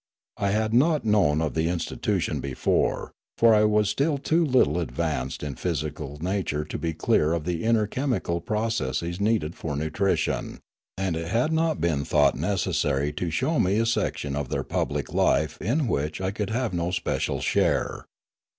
I had not known of the institution before; for I was still too little advanced in physical nature to be clear of the inner chemical processes needed for nutrition, and it had not been thought necessary to show me a section of their public life in which I could have no special share.